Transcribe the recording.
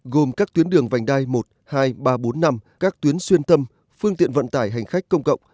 gồm các tuyến đường vành đai một hai ba bốn năm các tuyến xuyên tâm phương tiện vận tải hành khách công cộng